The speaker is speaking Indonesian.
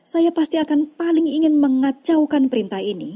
saya pasti akan paling ingin mengacaukan perintah ini